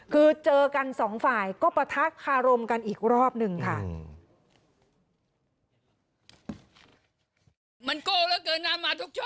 คือเจอกันสองฝ่ายก็ปะทะคารมกันอีกรอบหนึ่งค่ะ